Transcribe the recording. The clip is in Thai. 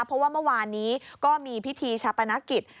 เพราะว่าเมื่อวานนี้ก็มีพิธีชาปนกิจ